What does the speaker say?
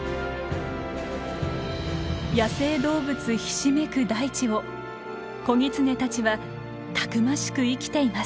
野生動物ひしめく大地を子ギツネたちはたくましく生きています。